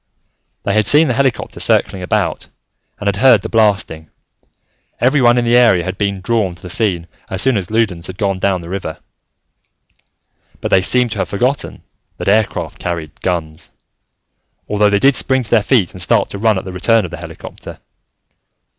They had seen the helicopter circling about, and had heard the blasting: everyone in the area had been drawn to the scene as soon as Loudons had gone down the river. But they seemed to have forgotten that aircraft carried guns, although they did spring to their feet and start to run at the return of the helicopter.